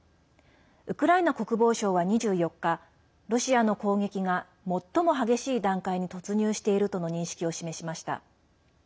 ウクライナ国防省は２４日ロシアの攻撃が最も激しい段階に突入しているとの認識を示しました。